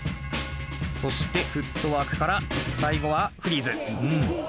そしてフットワークから最後はフリーズ。